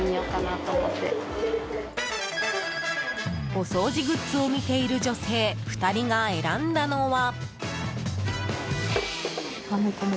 お掃除グッズを見ている女性２人が選んだのは。